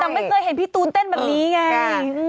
แต่ไม่เคยเห็นพี่ตูนเต้นแบบนี้ไง